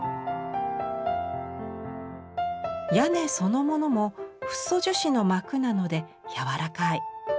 屋根そのものもフッ素樹脂の膜なのでやわらかい。